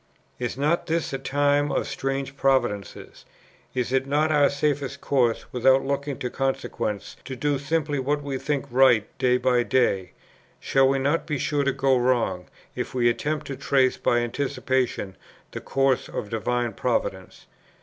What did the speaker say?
"Is not this a time of strange providences? is it not our safest course, without looking to consequences, to do simply what we think right day by day? shall we not be sure to go wrong, if we attempt to trace by anticipation the course of divine Providence?